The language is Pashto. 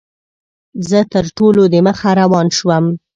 زه تر ټولو دمخه روان شوم.